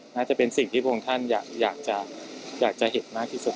น่าจะเป็นสิ่งที่พระองค์ท่านอยากจะเห็นมากที่สุด